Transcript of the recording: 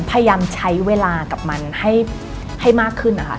พยายามใช้เวลากับมันให้มากขึ้นนะคะ